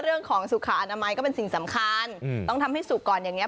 เรื่องของสุขอนามัยก็เป็นสิ่งสำคัญต้องทำให้สุกก่อนอย่างนี้